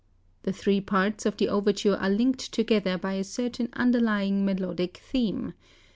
The three parts of the overture are linked together by a certain underlying melodic theme.